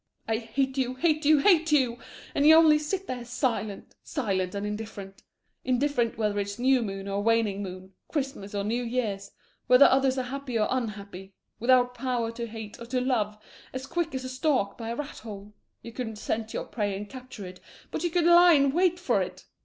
I hate you, hate you, hate you! And you only sit there silent silent and indifferent; indifferent whether it's new moon or waning moon, Christmas or New Year's, whether others are happy or unhappy; without power to hate or to love; as quiet as a stork by a rat hole you couldn't scent your prey and capture it, but you could lie in wait for it!